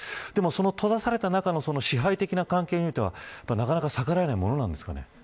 その閉ざされた中の支配的な関係はなかなか逆らえないものなんですかね。